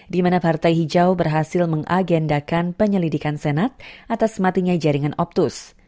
di mana partai hijau berhasil mengagendakan penyelidikan senat atas matinya jaringan optus